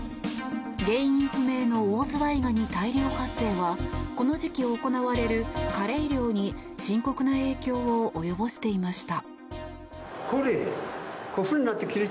原因不明のオオズワイガニ大量発生はこの時期行われるカレイ漁に深刻な影響を及ぼしていました。